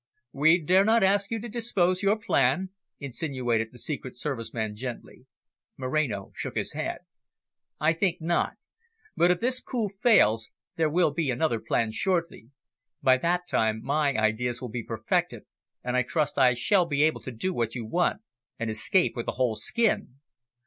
"We dare not ask you to disclose your plan?" insinuated the Secret Service man gently. Moreno shook his head. "I think not. But if this coup fails, there will be another planned shortly. By that time my ideas will be perfected, and I trust I shall be able to do what you want, and escape with a whole skin.